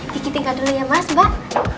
kita tinggal dulu ya mas mbak